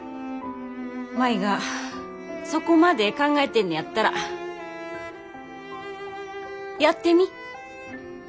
舞がそこまで考えてんねやったらやってみ。